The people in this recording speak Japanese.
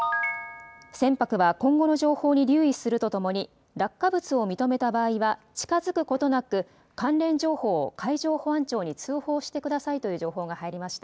船舶は今後の情報に留意するとともに落下物を認めた場合は近づくことなく関連情報を海上保安庁に通報してくださいという情報が入りました。